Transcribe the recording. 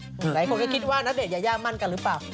หลายคนก็คิดว่านักเดินใหญ่มั่นกันรึเปล่า